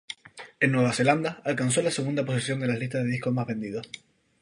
En Nueva Zelanda, alcanzó la segunda posición en la lista de discos más vendidos.